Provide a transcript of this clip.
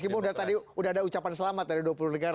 meskipun udah ada ucapan selamat dari dua puluh negara